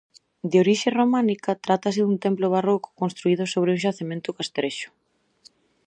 De orixe románica, trátase dun templo barroco construído sobre un xacemento castrexo.